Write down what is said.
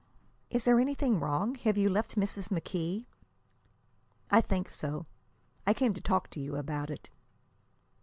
"Is there anything wrong? Have you left Mrs. McKee?" "I think so. I came to talk to you about it."